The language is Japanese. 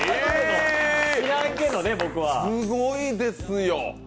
すごいですよ。